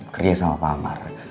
kerja sama pak amar